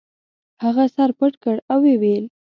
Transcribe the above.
هغه سر پټ کړ او ویې ویل.